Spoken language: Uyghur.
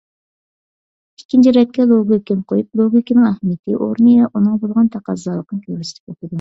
ئىككىنچى رەتكە لوگىكىنى قويۇپ، لوگىكىنىڭ ئەھمىيىتى، ئورنى ۋە ئۇنىڭغا بولغان تەقەززالىقنى كۆرسىتىپ ئۆتىدۇ.